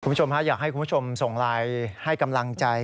คุณผู้ชมฮะอยากให้คุณผู้ชมส่งไลน์ให้กำลังใจ